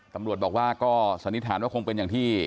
ตำรวจบอกว่าก็สันนิษฐานว่าคงเป็นอย่างที่